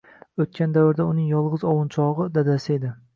O'tgan davrda uning yolg'iz ovunchog'i dadasi edi